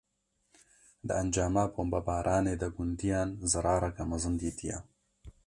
Di encama bombebaranê de gundiyan, zirareke mezin dîtiye